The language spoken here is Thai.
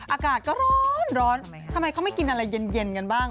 อากาศก็ร้อนทำไมเขาไม่กินอะไรเย็นกันบ้าง